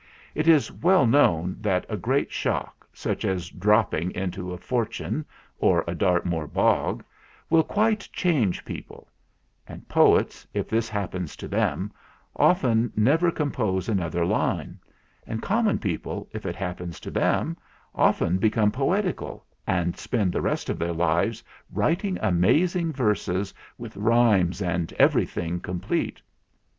It is well known that a great shock, such as dropping into a fortune or a Dartmoor bog, will quite change people; and poets, if this happens to> them, often never compose another line; and com mon people, if it happens to them, often be come poetical and spend the rest of their lives writing amazing verses, with rhymes and everything complete.